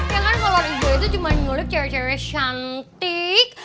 ya kan kolor hijau itu cuma nyulip cewek cewek cantik